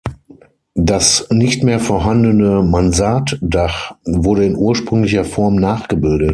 Das nicht mehr vorhandene Mansarddach wurde in ursprünglicher Form nachgebildet.